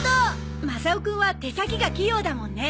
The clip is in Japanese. マサオくんは手先が器用だもんね。